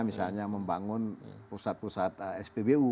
misalnya membangun pusat pusat spbu